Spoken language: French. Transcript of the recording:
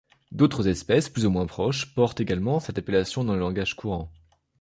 D'autres espèces plus ou moins proches portent également cette appellation dans le langage courant.